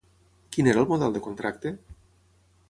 Quin era el model de contracte?